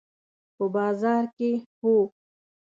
په بازار کې، هو